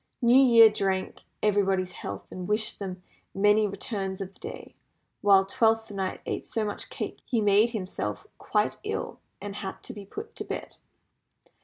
New Year drank everybody's health, and wished them "many returns of the day," while Twelfth Night ate so much cake he made himself quite ill, and had to be put to bed.